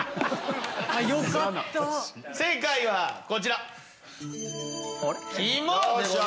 正解はこちら。